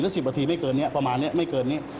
๑๐นาทีไม่เกินนี้ประมาณนี้ไม่เกินนี้